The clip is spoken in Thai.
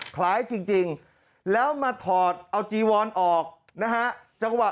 คล้ายจริงแล้วมาถอดเอาจีวอนออกนะฮะจังหวะ